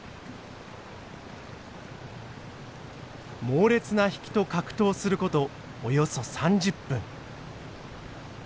猛烈な引きと格闘する事およそ３０分。